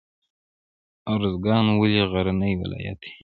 ارزګان ولې غرنی ولایت دی؟